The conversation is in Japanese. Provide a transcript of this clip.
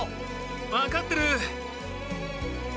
分かってる。